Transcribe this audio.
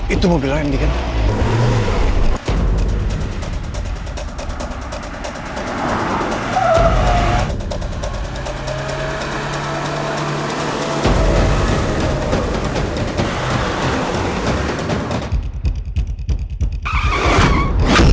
itu mobilnya yang dikenal